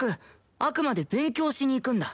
あくまで勉強しに行くんだ。